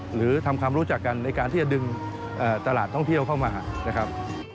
หรือทำความรู้จักกันในการที่จะดึงตลาดท่องเที่ยวเข้ามานะครับ